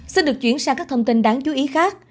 xin được chuyển sang các thông tin đáng chú ý khác